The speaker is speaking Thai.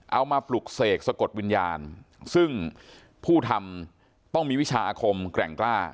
มาปลุกเสกสะกดวิญญาณซึ่งผู้ทำต้องมีวิชาอาคมแกร่งกล้า